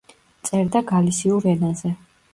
წერდა გალისიურ ენაზე.